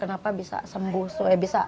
mengalami pembekuan otak